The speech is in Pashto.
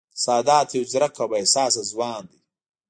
سادات یو ځېرک او با احساسه ځوان دی